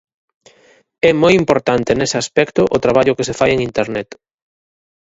É moi importante, nese aspecto, o traballo que se fai en Internet.